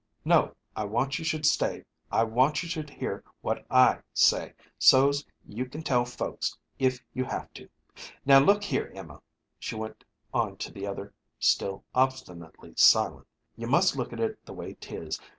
"No; I want you should stay. I want you should hear what I say, so's you can tell folks, if you have to. Now, look here, Emma," she went on to the other, still obstinately silent; "you must look at it the way 'tis.